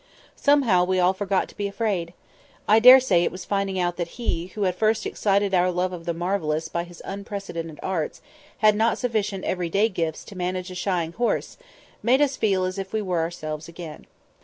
Somehow we all forgot to be afraid. I daresay it was that finding out that he, who had first excited our love of the marvellous by his unprecedented arts, had not sufficient every day gifts to manage a shying horse, made us feel as if we were ourselves again.